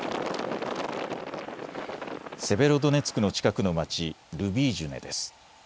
セベロドネツクの近くの町、ルビージュネです。